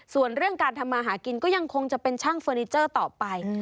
ส่วนเรื่องการทำมาหากินก็ยังคงจะเป็นช่างเฟอร์นิเจอร์ต่อไป